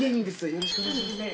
よろしくお願いします。